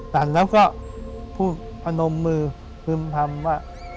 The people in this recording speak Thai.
สั่นแล้วก็ผู้พนมมือพึ่งพรรมว่า